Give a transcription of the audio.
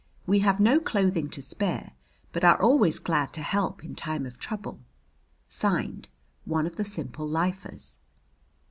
We have no clothing to spare, but are always glad to help in time of trouble. (Signed) ONE OF THE SIMPLE LIFERS.